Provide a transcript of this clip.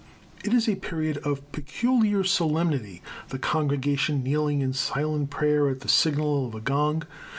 It is a period of peculiar solemnity, the congregation kneeling in silent prayer at the signal of a gong.